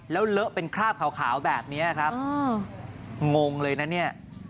แล้วเลอะเป็นคราบขาวแบบนี้ครับงงเลยนะเนี่ย